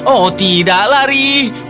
oh tidak lari